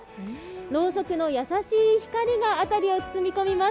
ろうそくの優しい光が辺りを包み込みます。